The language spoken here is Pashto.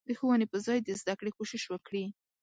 د ښوونې په ځای د زدکړې کوشش وکړي.